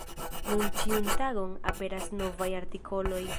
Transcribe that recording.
Nun ĉiun tagon aperas novaj artikoloj.